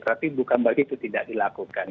tapi bukan bagi itu tidak dilakukan